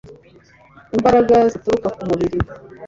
imbaraga zituruka ku mubiri